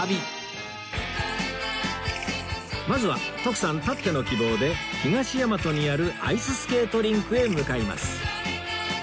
まずは徳さんたっての希望で東大和にあるアイススケートリンクへ向かいます